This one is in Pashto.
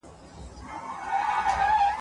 ټول به دي هېر وي او ما به غواړې !.